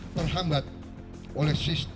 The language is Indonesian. terhambat oleh sistem